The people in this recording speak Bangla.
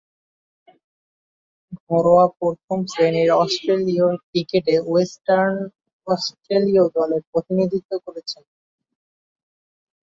ঘরোয়া প্রথম-শ্রেণীর অস্ট্রেলীয় ক্রিকেটে ওয়েস্টার্ন অস্ট্রেলিয়া দলের প্রতিনিধিত্ব করেছেন।